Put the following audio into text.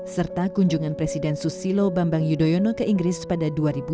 serta kunjungan presiden susilo bambang yudhoyono ke inggris pada dua ribu dua belas